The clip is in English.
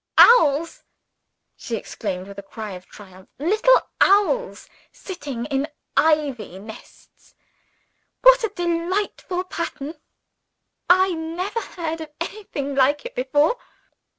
Owls!" she exclaimed, with a cry of triumph. "Little owls, sitting in ivy nests. What a delightful pattern! I never heard of anything like it before."